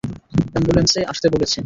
অ্যাম্বুলেন্সে আসতে বলেছি।